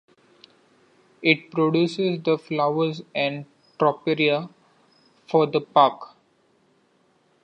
It produces the flowers and topiary for the park.